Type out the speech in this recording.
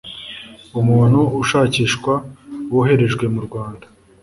Umuntu ushakishwa woherejwe mu Rwanda